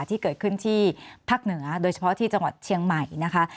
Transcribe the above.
ที่เกิดขึ้นที่ภาคเหนือโดยเฉพาะที่จังหวัดเชียงใหม่นะคะ